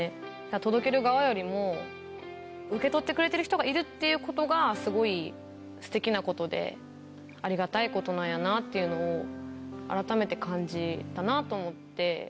届ける側よりも、受け取ってくれてる人がいるっていうことがすごいすてきなことで、ありがたいことなんやなっていうのを、改めて感じたなと思って。